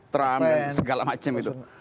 trump dan segala macam itu